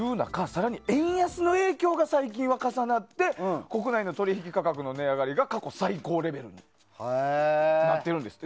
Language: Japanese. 更に、円安の影響が最近は重なって国内の取引価格の値上がりが過去最高レベルになってるんです。